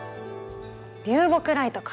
流木ライトか。